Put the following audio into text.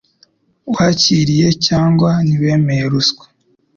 Wakiriye cyangwa ntiwemeye ruswa